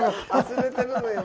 忘れてるのよ